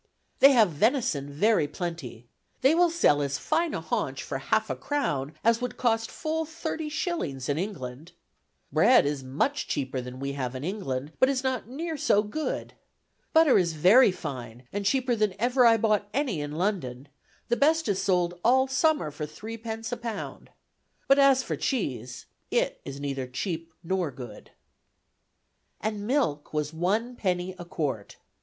"They have venison very plenty. They will sell as fine a haunch for half a crown as would cost full thirty shillings in England. Bread is much cheaper than we have in England, but is not near so good. Butter is very fine, and cheaper than ever I bought any in London; the best is sold all summer for threepence a pound. But as for cheese, it is neither cheap nor good." And milk was one penny a quart!